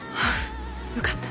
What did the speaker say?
よかった。